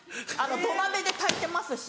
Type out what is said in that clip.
土鍋で炊いてますし。